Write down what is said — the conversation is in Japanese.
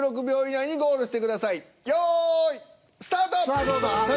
さあどうだ？